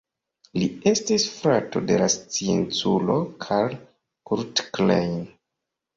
Li estis frato de la scienculo Karl Kurt Klein.